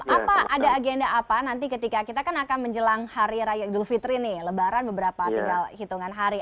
apa ada agenda apa nanti ketika kita kan akan menjelang hari raya idul fitri nih lebaran beberapa tinggal hitungan hari